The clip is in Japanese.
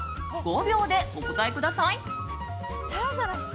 ５秒でお答えください。